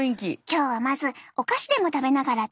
今日はまずお菓子でも食べながら楽しんでね。